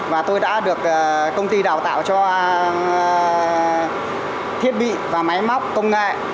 và tôi đã được công ty đào tạo cho thiết bị và máy móc công nghệ